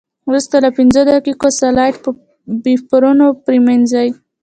وروسته له پنځو دقیقو سلایډ په بفرونو پرېمنځئ.